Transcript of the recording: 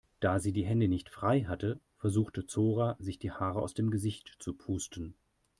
Da sie die Hände nicht frei hatte, versuchte Zora sich die Haare aus dem Gesicht zu pusten.